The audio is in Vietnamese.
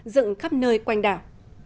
dựng khắp nơi quanh đảo